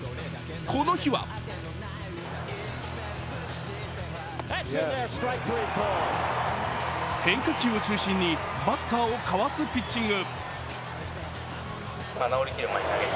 この日は変化球を中心にバッターをかわすピッチング。